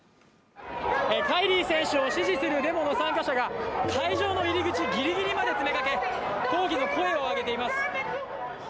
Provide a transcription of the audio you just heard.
カイリー選手を支持するデモの参加者が会場の入り口ぎりぎりまで詰めかけ、抗議の声を上げています。